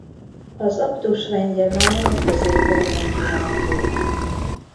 Az aktus rendje már a középkorban kialakult.